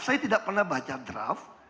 saya tidak pernah baca draft